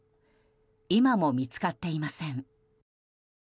今も見つかっていません。